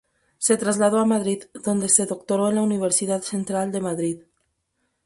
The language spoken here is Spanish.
Se trasladó a Madrid, donde se doctoró en la Universidad Central de Madrid.